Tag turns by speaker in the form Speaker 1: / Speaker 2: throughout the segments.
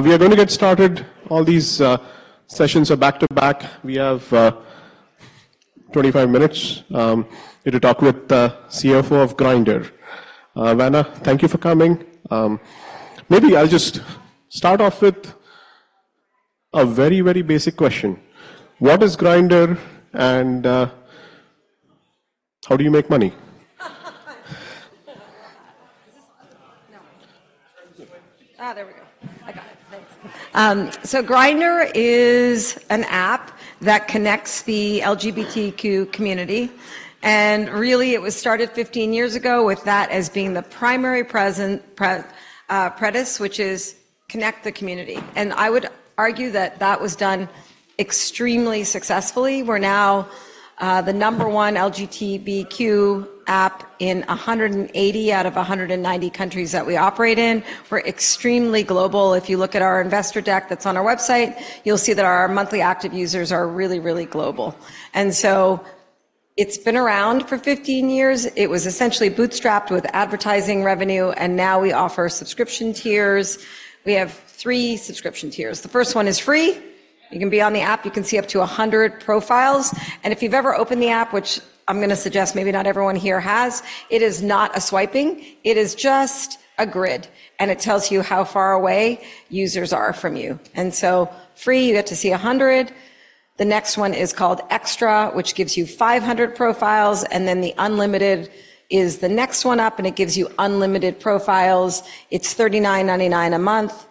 Speaker 1: We are going to get started. All these sessions are back to back. We have 25 minutes here to talk with the CFO of Grindr. Vanna, thank you for coming. Maybe I'll just start off with a very, very basic question: What is Grindr, and how do you make money?
Speaker 2: Ah, there we go. I got it. Thanks. So Grindr is an app that connects the LGBTQ community, and really, it was started 15 years ago, with that as being the primary premise, which is connect the community. And I would argue that that was done extremely successfully. We're now the number one LGBTQ app in 180 out of 190 countries that we operate in. We're extremely global. If you look at our investor deck that's on our website, you'll see that our monthly active users are really, really global. And so it's been around for 15 years. It was essentially bootstrapped with advertising revenue, and now we offer subscription tiers. We have three subscription tiers. The first one is free. You can be on the app, you can see up to 100 profiles, and if you've ever opened the app, which I'm gonna suggest maybe not everyone here has, it is not a swiping, it is just a grid, and it tells you how far away users are from you. And so free, you get to see 100. The next one is called XTRA, which gives you 500 profiles, and then the Unlimited is the next one up, and it gives you unlimited profiles. It's $39.99 a month.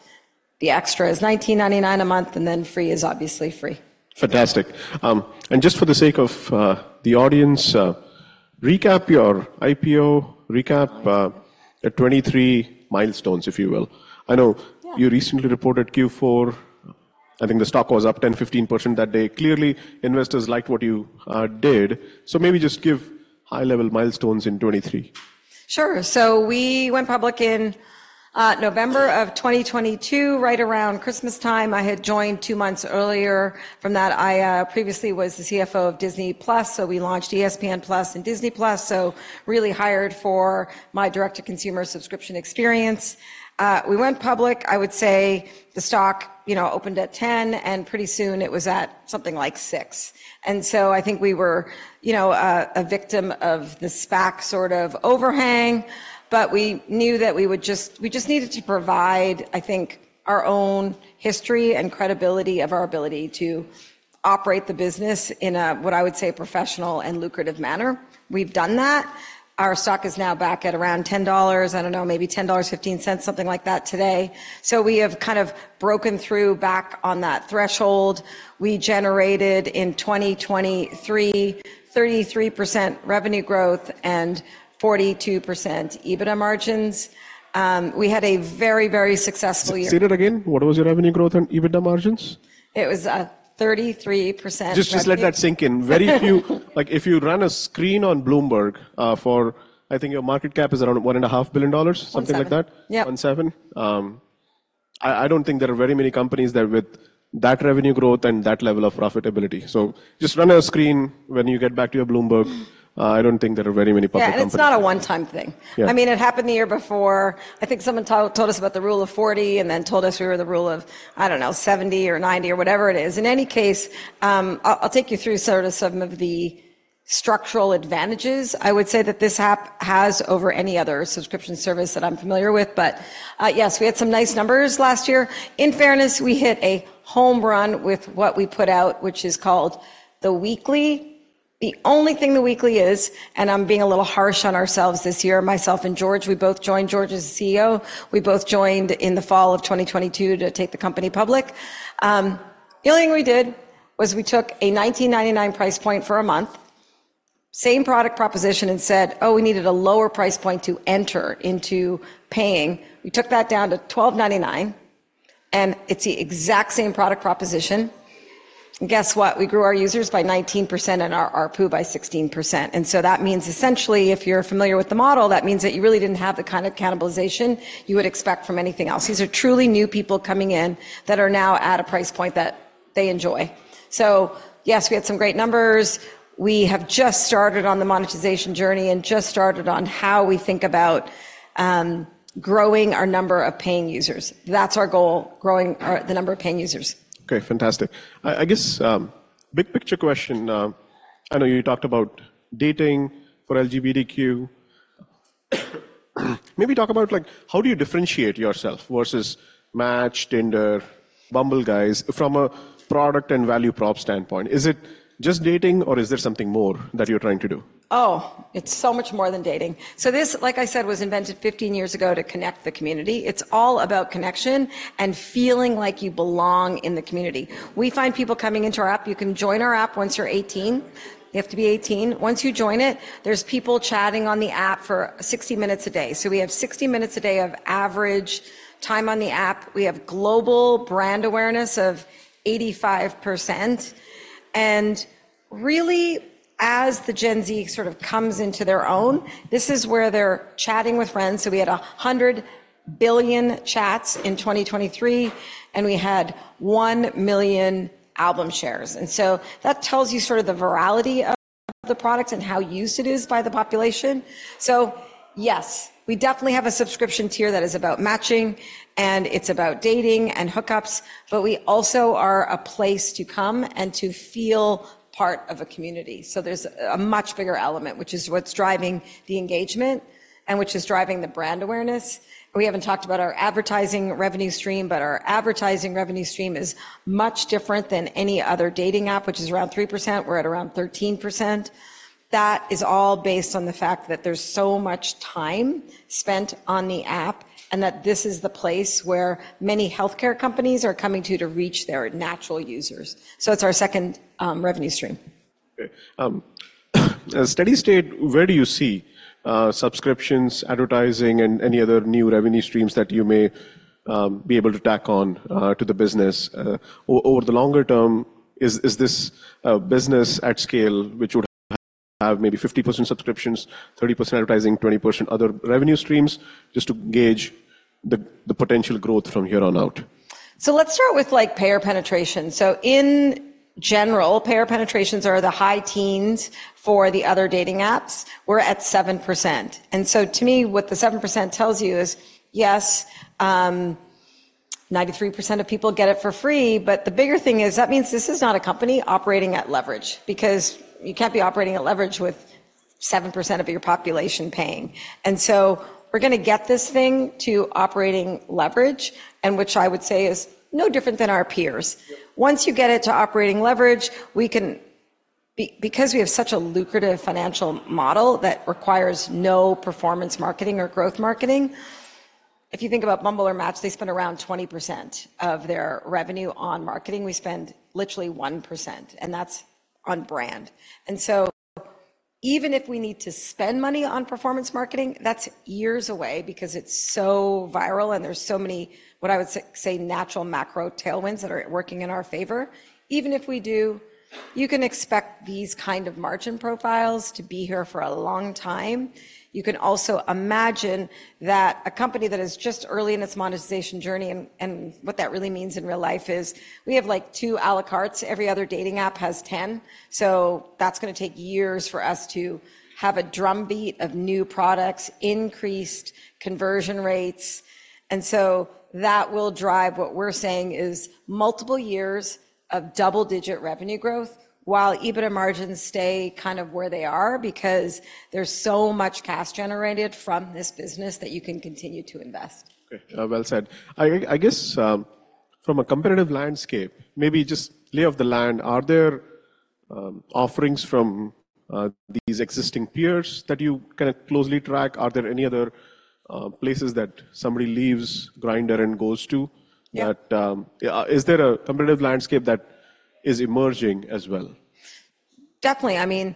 Speaker 2: The XTRA is $19.99 a month, and then Free is obviously free.
Speaker 1: Fantastic. Just for the sake of the audience, recap your IPO, recap the 2023 milestones, if you will.
Speaker 2: Yeah.
Speaker 1: I know you recently reported Q4. I think the stock was up 10%-15% that day. Clearly, investors liked what you did, so maybe just give high-level milestones in 2023.
Speaker 2: Sure. So we went public in November of 2022, right around Christmas time. I had joined two months earlier. From that, I previously was the CFO of Disney+, so we launched ESPN+ and Disney+, so really hired for my direct-to-consumer subscription experience. We went public. I would say the stock, you know, opened at $10, and pretty soon it was at something like $6. And so I think we were, you know, a victim of the SPAC sort of overhang, but we knew that we would just, we just needed to provide, I think, our own history and credibility of our ability to operate the business in a, what I would say, professional and lucrative manner. We've done that. Our stock is now back at around $10, I don't know, maybe $10.15, something like that, today. So we have kind of broken through back on that threshold. We generated, in 2023, 33% revenue growth and 42% EBITDA margins. We had a very, very successful year.
Speaker 1: Say that again. What was your revenue growth and EBITDA margins?
Speaker 2: It was 33%-
Speaker 1: Just, just let that sink in. Very few... Like, if you run a screen on Bloomberg, for, I think your market cap is around $1.5 billion, something like that?
Speaker 2: 17. Yeah.
Speaker 1: 17. I don't think there are very many companies that with that revenue growth and that level of profitability. So just run a screen when you get back to your Bloomberg. I don't think there are very many public companies-
Speaker 2: Yeah, and it's not a one-time thing.
Speaker 1: Yeah.
Speaker 2: I mean, it happened the year before. I think someone told us about the Rule of 40 and then told us we were the rule of, I don't know, 70 or 90 or whatever it is. In any case, I'll take you through sort of some of the structural advantages I would say that this app has over any other subscription service that I'm familiar with, but yes, we had some nice numbers last year. In fairness, we hit a home run with what we put out, which is called The Weekly. The only thing The Weekly is, and I'm being a little harsh on ourselves this year, myself and George, we both joined. George is the CEO. We both joined in the fall of 2022 to take the company public. The only thing we did was we took a $19.99 price point for a month, same product proposition, and said, "Oh, we needed a lower price point to enter into paying." We took that down to $12.99, and it's the exact same product proposition. Guess what? We grew our users by 19% and our ARPU by 16%, and so that means essentially, if you're familiar with the model, that means that you really didn't have the kind of cannibalization you would expect from anything else. These are truly new people coming in that are now at a price point that they enjoy. So yes, we had some great numbers. We have just started on the monetization journey and just started on how we think about, growing our number of paying users. That's our goal, growing our, the number of paying users.
Speaker 1: Okay, fantastic. I, I guess, big-picture question: I know you talked about dating for LGBTQ. Maybe talk about, like, how do you differentiate yourself versus Match, Tinder, Bumble guys, from a product and value prop standpoint? Is it just dating, or is there something more that you're trying to do?
Speaker 2: Oh, it's so much more than dating. So this, like I said, was invented 15 years ago to connect the community. It's all about connection and feeling like you belong in the community. We find people coming into our app. You can join our app once you're eighteen. You have to be 18. Once you join it, there's people chatting on the app for 60 minutes a day, so we have 60 minutes a day of average time on the app. We have global brand awareness of 85%, and really, as the Gen Z sort of comes into their own, this is where they're chatting with friends. So we had 100 billion chats in 2023, and we had 1 million album shares, and so that tells you sort of the virality of the products and how used it is by the population. So yes, we definitely have a subscription tier that is about matching, and it's about dating and hookups, but we also are a place to come and to feel part of a community. So there's a much bigger element, which is what's driving the engagement and which is driving the brand awareness. We haven't talked about our advertising revenue stream, but our advertising revenue stream is much different than any other dating app, which is around 3%. We're at around 13%. That is all based on the fact that there's so much time spent on the app, and that this is the place where many healthcare companies are coming to to reach their natural users, so it's our second revenue stream.
Speaker 1: Okay. Steady state, where do you see subscriptions, advertising, and any other new revenue streams that you may be able to tack on to the business? Over the longer term, is this a business at scale which would have maybe 50% subscriptions, 30% advertising, 20% other revenue streams? Just to gauge the potential growth from here on out.
Speaker 2: So let's start with, like, payer penetration. So in general, payer penetrations are the high teens for the other dating apps. We're at 7%, and so to me, what the 7% tells you is, yes, 93% of people get it for free, but the bigger thing is that means this is not a company operating at leverage because you can't be operating at leverage with 7% of your population paying. And so we're gonna get this thing to operating leverage, and which I would say is no different than our peers.
Speaker 1: Yeah.
Speaker 2: Once you get it to operating leverage, we can because we have such a lucrative financial model that requires no performance marketing or growth marketing. If you think about Bumble or Match, they spend around 20% of their revenue on marketing. We spend literally 1%, and that's on brand. And so even if we need to spend money on performance marketing, that's years away because it's so viral and there's so many, what I would say, natural macro tailwinds that are working in our favor. Even if we do, you can expect these kind of margin profiles to be here for a long time. You can also imagine that a company that is just early in its monetization journey, and what that really means in real life is we have, like, two à la cartes. Every other dating app has 10, so that's gonna take years for us to have a drumbeat of new products, increased conversion rates. And so that will drive what we're saying is multiple years of double-digit revenue growth while EBITDA margins stay kind of where they are because there's so much cash generated from this business that you can continue to invest.
Speaker 1: Okay, well said. I guess from a competitive landscape, maybe just lay of the land, are there offerings from these existing peers that you kind of closely track? Are there any other places that somebody leaves Grindr and goes to?
Speaker 2: Yeah.
Speaker 1: Is there a competitive landscape that is emerging as well?
Speaker 2: Definitely. I mean,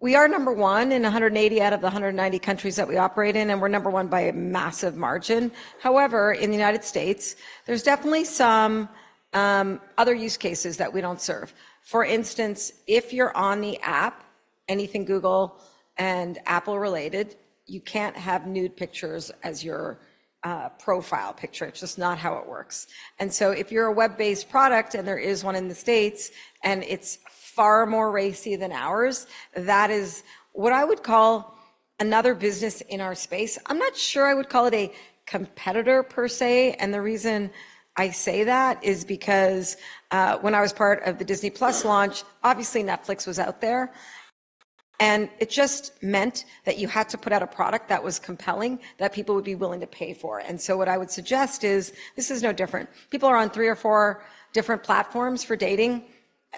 Speaker 2: we are number one in 180 out of the 190 countries that we operate in, and we're number one by a massive margin. However, in the United States, there's definitely some other use cases that we don't serve. For instance, if you're on the app, anything Google and Apple-related, you can't have nude pictures as your profile picture. It's just not how it works. And so if you're a web-based product, and there is one in the States, and it's far more racy than ours, that is what I would call another business in our space. I'm not sure I would call it a competitor per se, and the reason I say that is because, when I was part of the Disney+ launch, obviously Netflix was out there, and it just meant that you had to put out a product that was compelling, that people would be willing to pay for. And so what I would suggest is this is no different. People are on three or four different platforms for dating.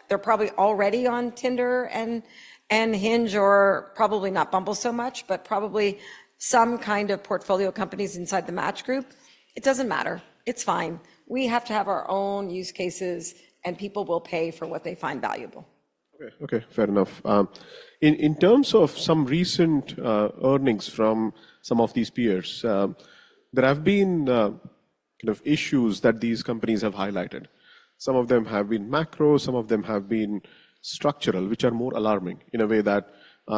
Speaker 2: They're probably already on Tinder and, and Hinge, or probably not Bumble so much, but probably some kind of portfolio companies inside the Match Group. It doesn't matter. It's fine. We have to have our own use cases, and people will pay for what they find valuable.
Speaker 1: Okay. Okay, fair enough. In terms of some recent earnings from some of these peers, there have been kind of issues that these companies have highlighted. Some of them have been macro, some of them have been structural, which are more alarming in a way that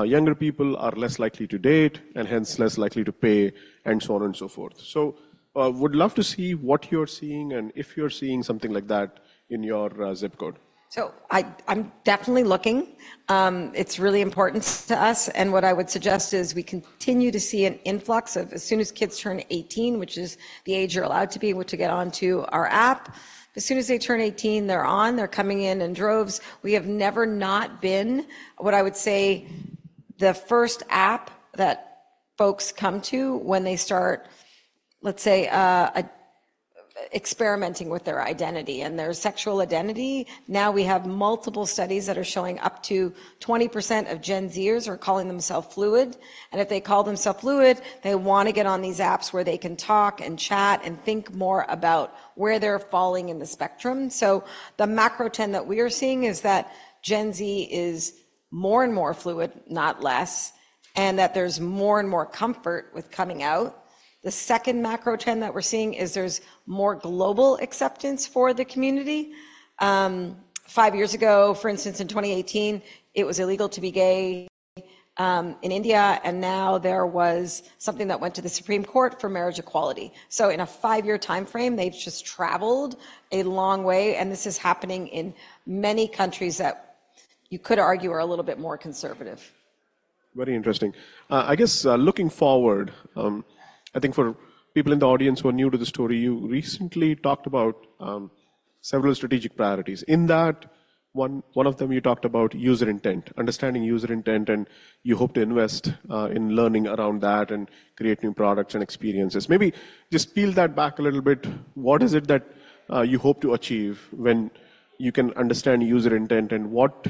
Speaker 1: younger people are less likely to date and hence less likely to pay, and so on and so forth. So, would love to see what you're seeing and if you're seeing something like that in your zip code?
Speaker 2: So I, I'm definitely looking. It's really important to us, and what I would suggest is we continue to see an influx of as soon as kids turn 18, which is the age you're allowed to be able to get onto our app, as soon as they turn 18, they're on, they're coming in in droves. We have never not been, what I would say, the first app that folks come to when they start, let's say, experimenting with their identity and their sexual identity. Now, we have multiple studies that are showing up to 20% of Gen Zers are calling themselves fluid, and if they call themselves fluid, they want to get on these apps where they can talk and chat and think more about where they're falling in the spectrum. So the macro trend that we are seeing is that Gen Z is more and more fluid, not less, and that there's more and more comfort with coming out. The second macro trend that we're seeing is there's more global acceptance for the community. Five years ago, for instance, in 2018, it was illegal to be gay in India, and now there was something that went to the Supreme Court for marriage equality. So in a five-year timeframe, they've just traveled a long way, and this is happening in many countries that you could argue are a little bit more conservative.
Speaker 1: Very interesting. I guess, looking forward, I think for people in the audience who are new to the story, you recently talked about several strategic priorities. In that, one of them, you talked about user intent, understanding user intent, and you hope to invest in learning around that and create new products and experiences. Maybe just peel that back a little bit. What is it that you hope to achieve when you can understand user intent, and what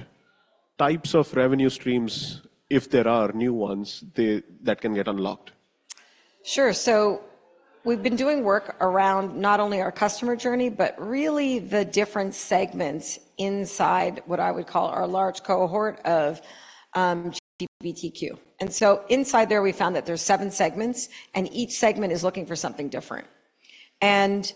Speaker 1: types of revenue streams, if there are new ones, that can get unlocked?
Speaker 2: Sure. So we've been doing work around not only our customer journey, but really the different segments inside what I would call our large cohort of LGBTQ. And so inside there, we found that there's seven segments, and each segment is looking for something different. And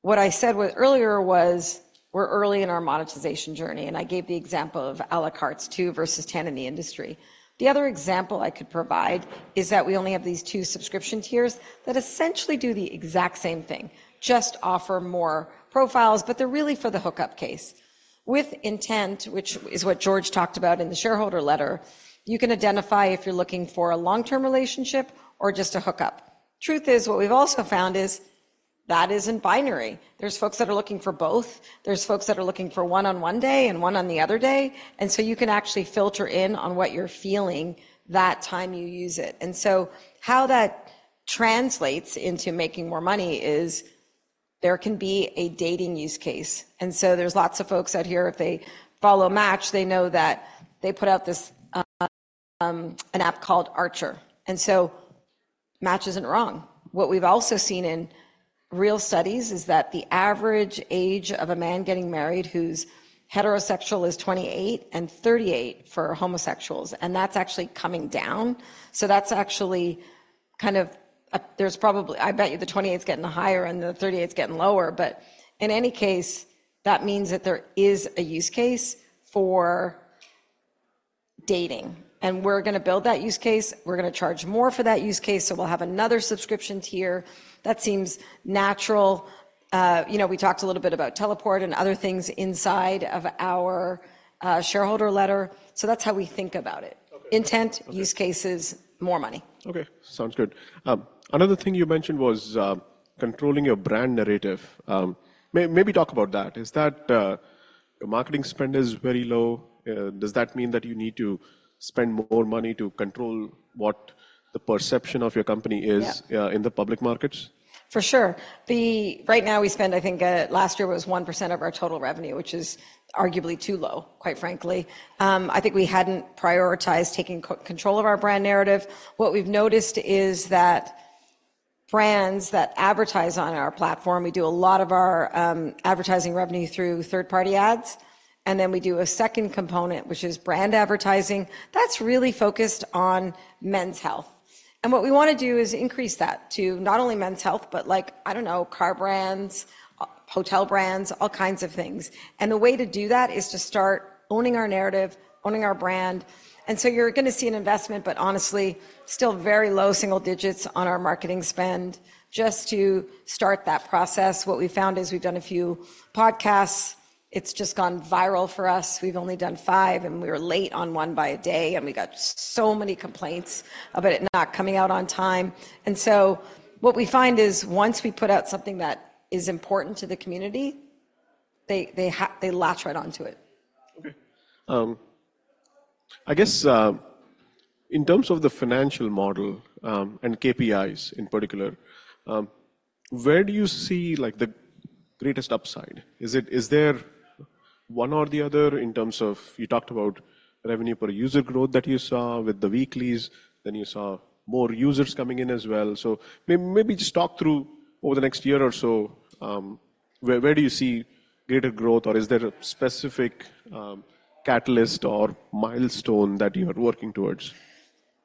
Speaker 2: what I said was earlier was, we're early in our monetization journey, and I gave the example of à la cartes two versus 10 in the industry. The other example I could provide is that we only have these two subscription tiers that essentially do the exact same thing, just offer more profiles, but they're really for the hookup case. With intent, which is what George talked about in the shareholder letter, you can identify if you're looking for a long-term relationship or just a hookup. Truth is, what we've also found is that isn't binary. There's folks that are looking for both. There's folks that are looking for one on one day and one on the other day, and so you can actually filter in on what you're feeling that time you use it. And so how that translates into making more money is there can be a dating use case. And so there's lots of folks out here, if they follow Match, they know that they put out this, an app called Archer, and so Match isn't wrong. What we've also seen in real studies is that the average age of a man getting married who's heterosexual is 28, and 38 for homosexuals, and that's actually coming down. So that's actually kind of, there's probably, I bet you the 28's getting higher and the 38's getting lower. But in any case, that means that there is a use case for dating, and we're gonna build that use case. We're gonna charge more for that use case, so we'll have another subscription tier. That seems natural. You know, we talked a little bit about Teleport and other things inside of our shareholder letter, so that's how we think about it.
Speaker 1: Okay.
Speaker 2: Intent-use cases, more money.
Speaker 1: Okay, sounds good. Another thing you mentioned was controlling your brand narrative. Maybe talk about that. Is that your marketing spend is very low? Does that mean that you need to spend more money to control what the perception of your company is-
Speaker 2: Yeah
Speaker 1: in the public markets?
Speaker 2: For sure. Right now we spend, I think, last year was 1% of our total revenue, which is arguably too low, quite frankly. I think we hadn't prioritized taking control of our brand narrative. What we've noticed is that brands that advertise on our platform, we do a lot of our advertising revenue through third-party ads, and then we do a second component, which is brand advertising. That's really focused on men's health. And what we wanna do is increase that to not only men's health, but like, I don't know, car brands, hotel brands, all kinds of things. And the way to do that is to start owning our narrative, owning our brand. And so you're gonna see an investment, but honestly, still very low single digits on our marketing spend just to start that process. What we found is we've done a few podcasts. It's just gone viral for us. We've only done five, and we were late on one by a day, and we got so many complaints about it not coming out on time. And so what we find is once we put out something that is important to the community, they latch right onto it.
Speaker 1: Okay. I guess, in terms of the financial model, and KPIs in particular, where do you see, like, the greatest upside? Is there one or the other in terms of... You talked about revenue per user growth that you saw with the weeklies, then you saw more users coming in as well. So maybe just talk through over the next year or so, where, where do you see greater growth, or is there a specific, catalyst or milestone that you are working towards?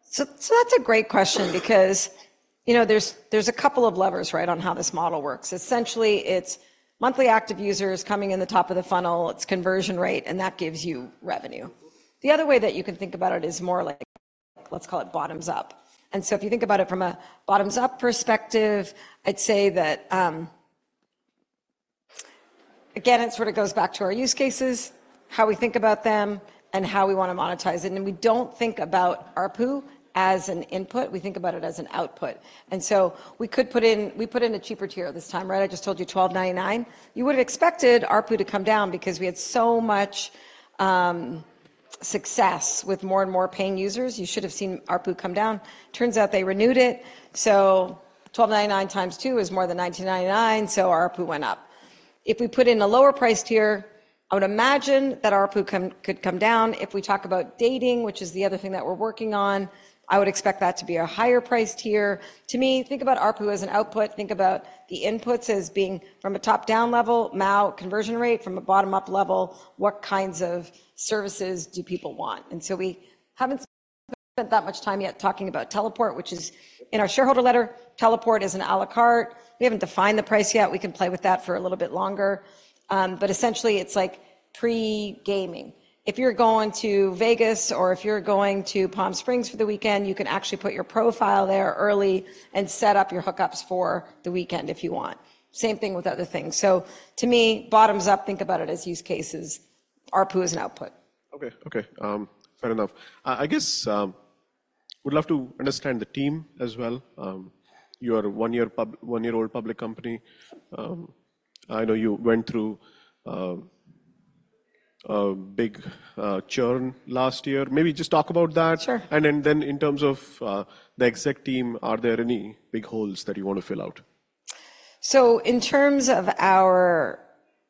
Speaker 2: So, so that's a great question because, you know, there's, there's a couple of levers, right, on how this model works. Essentially, it's monthly active users coming in the top of the funnel, it's conversion rate, and that gives you revenue. The other way that you can think about it is more like, let's call it bottoms up. And so if you think about it from a bottoms-up perspective, I'd say that, again, it sort of goes back to our use cases, how we think about them, and how we wanna monetize it. And we don't think about ARPU as an input; we think about it as an output. And so we could put in, we put in a cheaper tier this time, right? I just told you $12.99. You would've expected ARPU to come down because we had so much success with more and more paying users. You should have seen ARPU come down. Turns out they renewed it, so $12.99 times two is more than $19.99, so ARPU went up. If we put in a lower-priced tier, I would imagine that ARPU could come down. If we talk about dating, which is the other thing that we're working on, I would expect that to be a higher-priced tier. To me, think about ARPU as an output. Think about the inputs as being from a top-down level, MAU conversion rate from a bottom-up level. What kinds of services do people want? And so we haven't spent that much time yet talking about Teleport, which is in our shareholder letter. Teleport is an à la carte. We haven't defined the price yet. We can play with that for a little bit longer. But essentially, it's like pre-gaming. If you're going to Vegas or if you're going to Palm Springs for the weekend, you can actually put your profile there early and set up your hookups for the weekend if you want. Same thing with other things. So to me, bottoms up, think about it as use cases. ARPU is an output.
Speaker 1: Okay, okay. Fair enough. I guess would love to understand the team as well. You are a one-year-old public company. I know you went through a big churn last year. Maybe just talk about that.
Speaker 2: Sure.
Speaker 1: In terms of the exec team, are there any big holes that you want to fill out?
Speaker 2: So in terms of our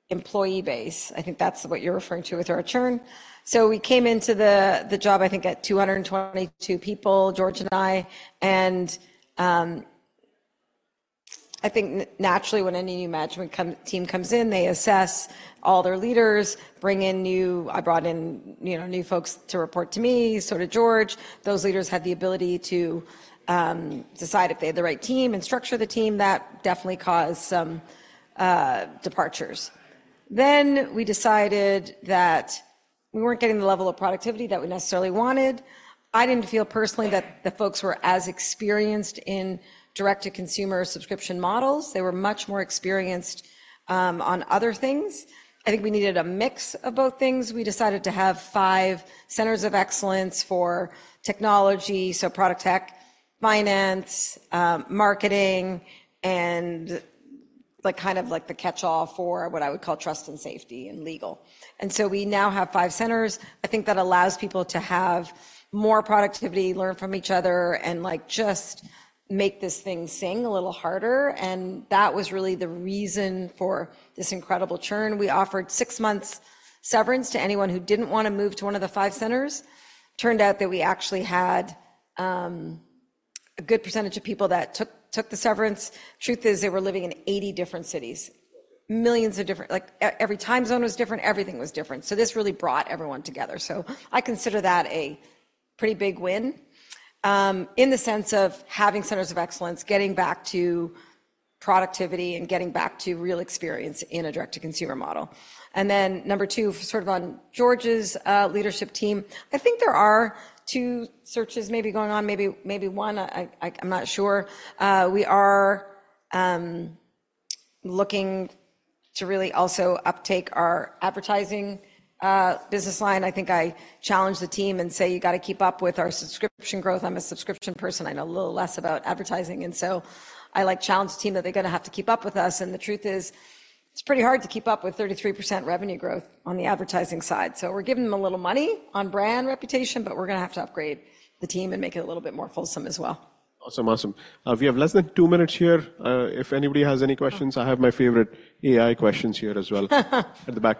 Speaker 2: employee base, I think that's what you're referring to with our churn. So we came into the job, I think, at 222 people, George and I, and, I think naturally, when any new management team comes in, they assess all their leaders, bring in new... I brought in, you know, new folks to report to me, so did George. Those leaders had the ability to decide if they had the right team and structure the team. That definitely caused some departures. Then we decided that we weren't getting the level of productivity that we necessarily wanted. I didn't feel personally that the folks were as experienced in direct-to-consumer subscription models. They were much more experienced on other things. I think we needed a mix of both things. We decided to have five centers of excellence for technology, so product tech, finance, marketing, and like, kind of like the catch-all for what I would call trust and safety and legal. And so we now have five centers. I think that allows people to have more productivity, learn from each other, and, like, just make this thing sing a little harder, and that was really the reason for this incredible churn. We offered six months' severance to anyone who didn't want to move to one of the five centers. Turned out that we actually had a good percentage of people that took the severance. Truth is, they were living in 80 different cities, millions of different—like, every time zone was different, everything was different. So this really brought everyone together. So I consider that a pretty big win in the sense of having centers of excellence, getting back to productivity, and getting back to real experience in a direct-to-consumer model. And then number two, sort of on George's leadership team, I think there are two searches maybe going on, maybe one. I'm not sure. We are looking to really also uptake our advertising business line. I think I challenge the team and say, "You got to keep up with our subscription growth." I'm a subscription person. I know a little less about advertising, and so I like challenge the team that they're gonna have to keep up with us, and the truth is, it's pretty hard to keep up with 33% revenue growth on the advertising side. We're giving them a little money on brand reputation, but we're gonna have to upgrade the team and make it a little bit more fulsome as well.
Speaker 1: Awesome, awesome. We have less than two minutes here. If anybody has any questions, I have my favorite AI questions here as well, at the back.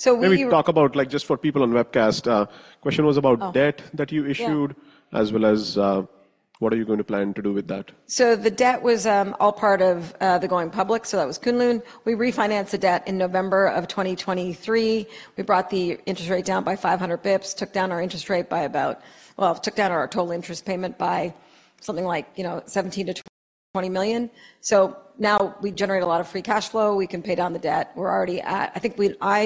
Speaker 3: Yes, specifically on the decision-making issues that we had in the third quarter, and it took us down 5.5 times, under 4 times a day.
Speaker 2: So we-
Speaker 1: Maybe talk about, like, just for people on webcast, question was about-
Speaker 2: Oh...
Speaker 1: debt that you issued-
Speaker 2: Yeah
Speaker 1: - as well as, what are you going to plan to do with that?
Speaker 2: So the debt was all part of the going public, so that was Kunlun. We refinanced the debt in November of 2023. We brought the interest rate down by 500 basis points, took down our interest rate by about... well, took down our total interest payment by something like, you know, $17 million-$20 million. So now we generate a lot of free cash flow. We can pay down the debt. We're already at. I think we. I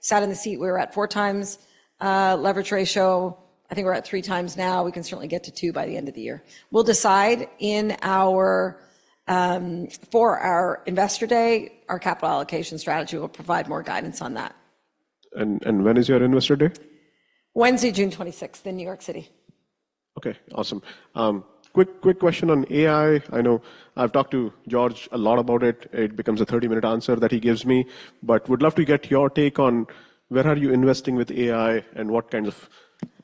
Speaker 2: sat in the seat, we were at 4x leverage ratio. I think we're at 3x now. We can certainly get to 2x by the end of the year. We'll decide in our, for our investor day, our capital allocation strategy. We'll provide more guidance on that.
Speaker 1: When is your investor day?
Speaker 2: Wednesday, June 26th, in New York City.
Speaker 1: Okay, awesome. Quick, quick question on AI. I know I've talked to George a lot about it. It becomes a 30-minute answer that he gives me, but would love to get your take on where are you investing with AI, and what kind of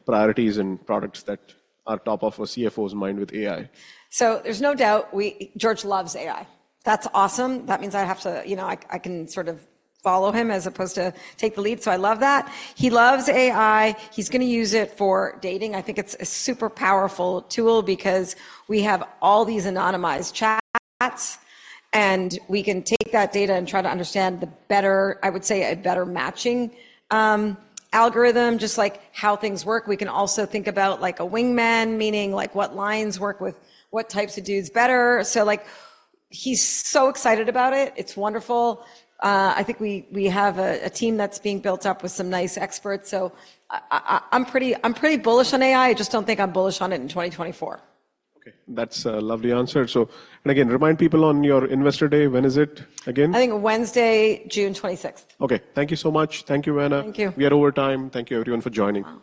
Speaker 1: priorities and products that are top of a CFO's mind with AI?
Speaker 2: So there's no doubt George loves AI. That's awesome. That means I have to, you know, I, I can sort of follow him as opposed to take the lead, so I love that. He loves AI. He's gonna use it for dating. I think it's a super powerful tool because we have all these anonymized chats, and we can take that data and try to understand the better, I would say, a better matching algorithm, just like how things work. We can also think about, like, a wingman, meaning, like, what lines work with what types of dudes better. So, like, he's so excited about it. It's wonderful. I think we, we have a, a team that's being built up with some nice experts, so I, I, I'm pretty, I'm pretty bullish on AI. I just don't think I'm bullish on it in 2024.
Speaker 1: Okay, that's a lovely answer. And again, remind people on your Investor Day, when is it again?
Speaker 2: I think Wednesday, June 26th.
Speaker 1: Okay, thank you so much. Thank you, Vanna.
Speaker 2: Thank you.
Speaker 1: We are over time. Thank you, everyone, for joining.